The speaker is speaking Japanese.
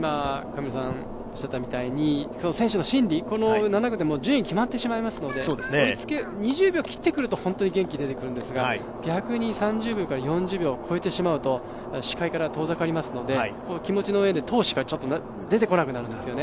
選手の心理、７区でもう順位が決まってしまいますので２０秒切ってくると本当に元気出るんですが逆に３０秒から４０秒を超えてしまうと視界から遠ざかりますので、気持ちの上で闘志が出てこなくなるんですよね。